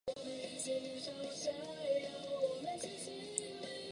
曷言乎罗汉脚也？